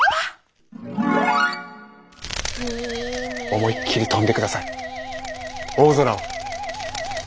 思いっきり飛んで下さい大空を。